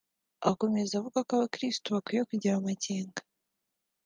Akomeza avuga ko abakirisitu bakwiye kugira amakenga